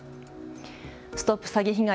ＳＴＯＰ詐欺被害！